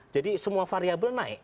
jadi semua variable naik